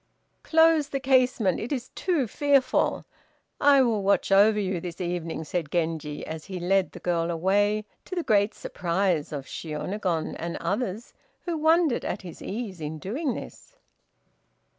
"Close the casement, it is too fearful, I will watch over you this evening," said Genji, as he led the girl away, to the great surprise of Shiônagon and others who wondered at his ease in doing this.